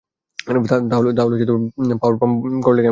তাহলে, power bump করলে কেমন হয়?